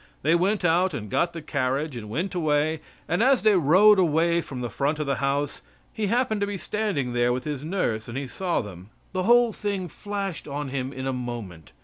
They went out and got the carriage, and went away, and as they rode away from the front of the house, he happened to be standing there with his nurse, and he saw them. The whole thing flashed on him in a moment.